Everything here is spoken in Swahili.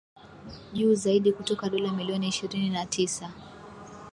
juu zaidi kutoka dola milioni ishirini na tisa.